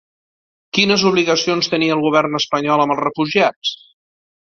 Quines obligacions tenia el govern espanyol amb els refugiats?